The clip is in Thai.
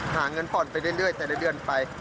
หาเงินผ่อนไปเรื่อยแต่ละเดือนไป